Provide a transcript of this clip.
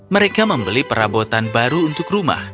mereka membeli perabotan baru untuk rumah